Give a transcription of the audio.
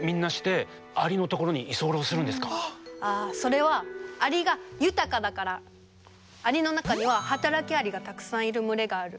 それはアリの中には働きアリがたくさんいる群れがある。